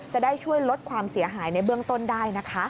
จะได้ช่วยลดความเสียหายในเบื้องต้นได้นะคะ